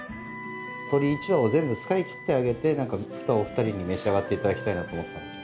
鶏１羽を全部使い切ってあげて来たお二人に召し上がって頂きたいなと思ってたので。